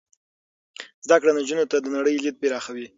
زده کړه نجونو ته د نړۍ لید پراخوي.